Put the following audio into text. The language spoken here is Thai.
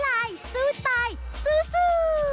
สวัสดีครับทุกคน